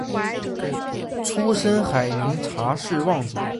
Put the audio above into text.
出身海宁查氏望族。